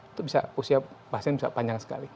itu bisa usia pasien bisa panjang sekali